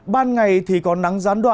ban ngày thì có nắng gián đoạn